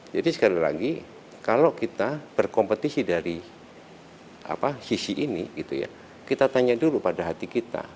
jadi sekali lagi kalau kita berkompetisi dari sisi ini gitu ya kita tanya dulu pada hati kita